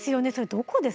どこですか？